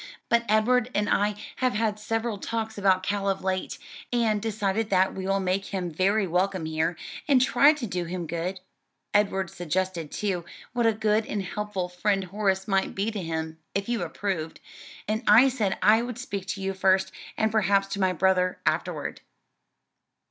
But Edward and I have had several talks about Cal of late, and decided that we will make him very welcome here, and try to do him good. Edward suggested, too, what a good and helpful friend Horace might be to him, if you approved, and I said I would speak to you first, and perhaps to my brother afterward."